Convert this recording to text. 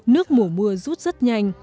nước mổ mưa rút rất nhanh